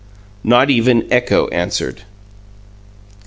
Not even echo answered.